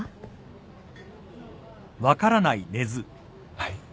はい？